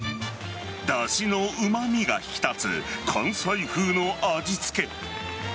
だしのうま味が引き立つ関西風の味付け。